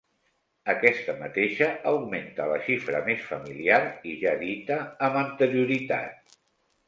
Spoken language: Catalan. Aquesta mateixa augmenta a la xifra més familiar i ja dita amb anterioritat.